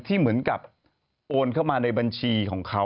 เหมือนกับโอนเข้ามาในบัญชีของเขา